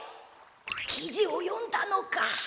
きじをよんだのか？